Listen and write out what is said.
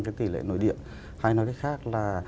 cái tỷ lệ nội địa hay nói cách khác là